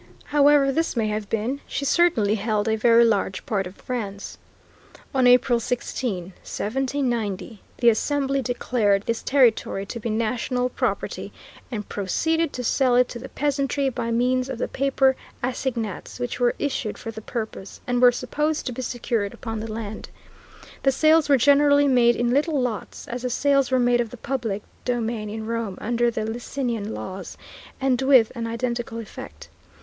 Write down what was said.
However this may have been she certainly held a very large part of France. On April 16, 1790, the Assembly declared this territory to be national property, and proceeded to sell it to the peasantry by means of the paper assignats which were issued for the purpose, and were supposed to be secured upon the land. The sales were generally made in little lots, as the sales were made of the public domain in Rome under the Licinian Laws, and with an identical effect.